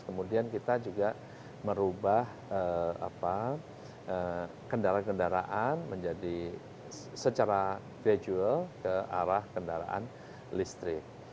kemudian kita juga merubah kendaraan kendaraan menjadi secara venual ke arah kendaraan listrik